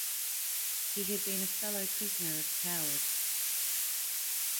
He had been a fellow prisoner of Coward.